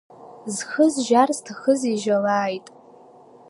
Зхы зжьар зҭахыз ижьалааит.